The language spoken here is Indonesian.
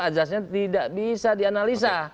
ajasnya tidak bisa dianalisa